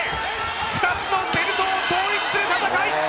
２つのベルトを統一する戦い。